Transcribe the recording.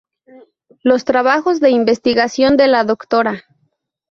Los trabajos de investigación de la Dra.